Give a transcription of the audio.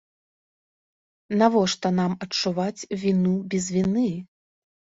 Навошта нам адчуваць віну без віны?